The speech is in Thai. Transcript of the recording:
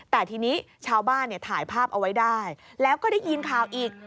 แต่ทีนี้ชาวบ้านเนี่ยถ่ายภาพเอาไว้ได้แล้วก็ได้ยินข่าวอีก